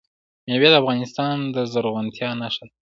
مېوې د افغانستان د زرغونتیا نښه ده.